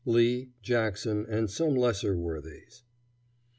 LEE, JACKSON, AND SOME LESSER WORTHIES.